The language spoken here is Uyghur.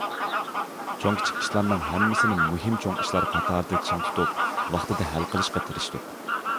چوڭ، كىچىك ئىشلارنىڭ ھەممىسىنى مۇھىم، چوڭ ئىشلار قاتارىدا چىڭ تۇتۇپ، ۋاقتىدا ھەل قىلىشقا تىرىشتۇق.